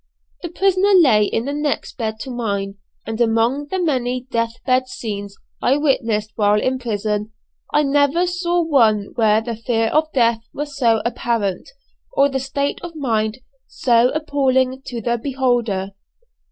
This prisoner lay in the next bed to mine, and among the many death bed scenes I witnessed while in prison, I never saw one where the fear of death was so apparent, or the state of mind so appalling to the beholder.